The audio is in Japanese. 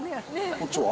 こっちは？